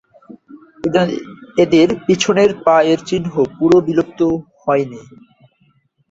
এদের পিছনের পা-এর চিহ্ন পুরো বিলুপ্ত হয়নি।